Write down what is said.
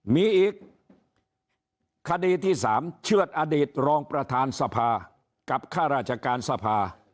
มีอีกคดีที่๓เชื่อดอดีตรองประธานสภากับข้าราชการสภา